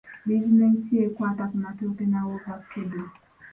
Bizinensi ye ekwata ku matooke na woovakkedo.